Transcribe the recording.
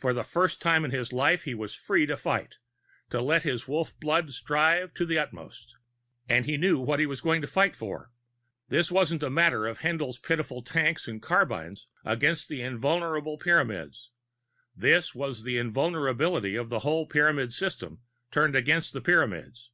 For the first time in his life, he was free to fight to let his Wolf blood strive to the utmost and he knew what he was fighting for. This wasn't a matter of Haendl's pitiful tanks and carbines against the invulnerable Pyramids; this was the invulnerability of the whole Pyramid system turned against the Pyramids!